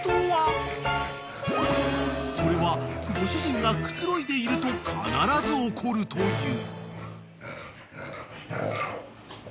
［それはご主人がくつろいでいると必ず起こるという］